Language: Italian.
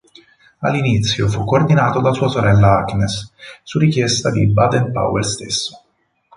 All'inizio fu coordinato da sua sorella Agnes, su richiesta di Baden-Powell stesso.